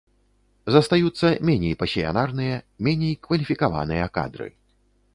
Застаюцца меней пасіянарныя, меней кваліфікаваныя кадры.